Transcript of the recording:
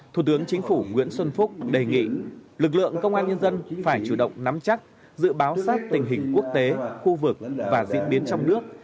thủ tướng chính phủ nguyễn xuân phúc đề nghị lực lượng công an nhân dân phải chủ động nắm chắc dự báo sát tình hình quốc tế khu vực và diễn biến trong nước